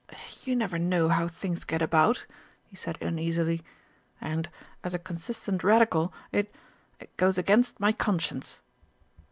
"You never know how things get about," he said uneasily. "And, as a consistent Radical, it it goes against my conscience."